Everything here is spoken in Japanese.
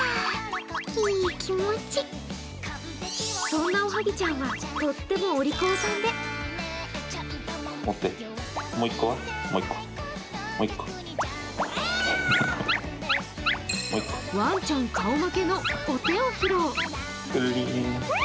そんなおはぎちゃんはとってもお利口さんでワンちゃん顔負けのお手を披露。